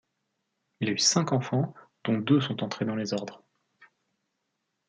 Il a eu cinq enfants, dont deux sont entrés dans les ordres.